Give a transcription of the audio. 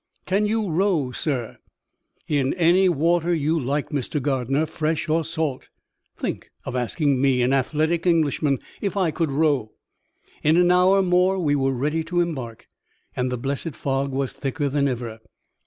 'Can you row, sir?' 'In any water you like, Mr. Gardener, fresh or salt'. Think of asking Me, an athletic Englishman, if I could row! In an hour more we were ready to embark, and the blessed fog was thicker than ever.